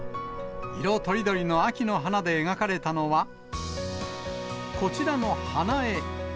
色とりどりの秋の花で描かれたのは、こちらの花絵。